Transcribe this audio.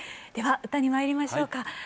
では歌にまいりましょうか。